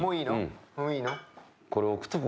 もういいよ。